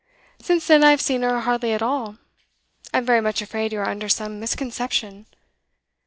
Since then I have seen her hardly at all. I'm very much afraid you are under some misconception.